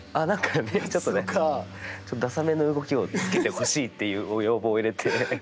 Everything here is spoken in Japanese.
ちょっとださめの動きをつけてほしいという要望を入れて。